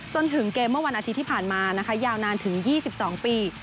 จนถึงเกมเมื่อวันอาทิตย์ที่ผ่านมานะคะยาวนานถึง๒๒ปี